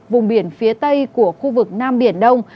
vùng biển phía tây của khu vực nam biển đông